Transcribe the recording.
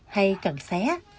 hay cần xé